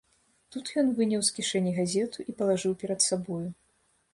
Тут ён выняў з кішэні газету і палажыў перад сабою.